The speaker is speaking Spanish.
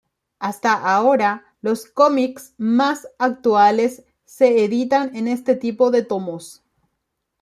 Hasta ahora los cómics más actuales se editan en este tipo de tomos.